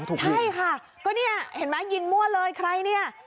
ใช่ค่ะก็เนี่ยเห็นไหมยิงมั่วเลยใครเนี่ย